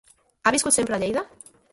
Ha viscut sempre a Lleida?